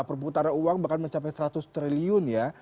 perputaran uang bahkan mencapai seratus triliun ya